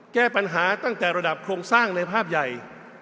แก้ปัญหาตั้งแต่ระดับโครงสร้างในภาพใหญ่